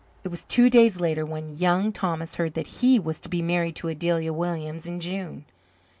It was two days later when Young Thomas heard that he was to be married to Adelia Williams in June.